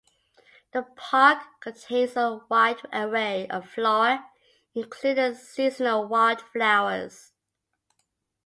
The park contains a wide array of flora, including seasonal wildflowers.